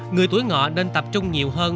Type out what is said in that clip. người tuổi ngọ nên tập trung nhiều hơn